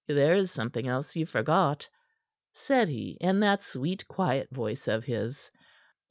"There is something else ye've forgot," said he in that sweet, quiet voice of his.